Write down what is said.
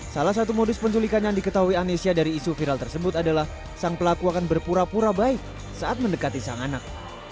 salah satu modus penculikan yang diketahui anesya dari isu viral tersebut adalah sang pelaku akan berpura pura baik saat mendekati sang anak